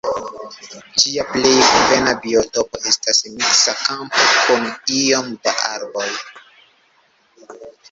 Ĝia plej konvena biotopo estas miksa kampo kun iom da arboj.